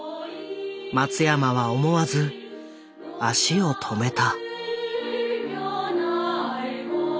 松山は思わず足を止めた。